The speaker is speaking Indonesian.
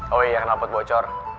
oh iya kenal pot bocor